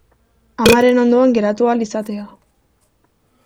Amaren ondoan geratu ahal izatea.